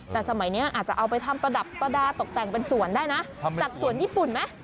แต่สมัยนี้อาจจะเอาไปทำประดับประดาษตกแต่งเป็นสวนได้นะจัดสวนญี่ปุ่นไหม